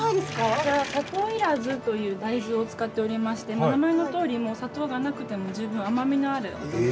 こちら「さとういらず」という大豆を使っておりまして名前のとおり砂糖がなくても十分甘みのある。